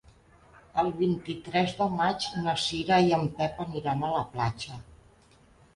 El vint-i-tres de maig na Cira i en Pep aniran a la platja.